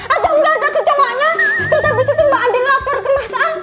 ada unggah ada kecomanya terus abis itu mbak andi lapor ke mas'al